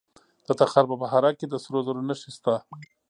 د تخار په بهارک کې د سرو زرو نښې شته.